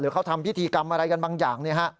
เขาทำพิธีกรรมอะไรกันบางอย่าง